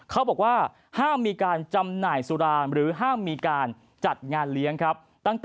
เขาบอกว่าห้ามมีการจำหน่ายสุรานหรือห้ามมีการจัดงานเลี้ยงครับ